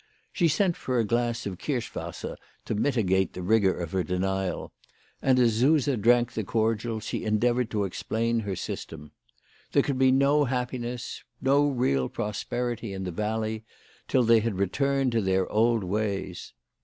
She sent for a glass of kirsch wasser to mitigate the rigour of her denial, and as Suse drank the cordial she endeavoured to explain her system. There could be no happiness, no real prosperity in the valley, till they had returned to their old ways.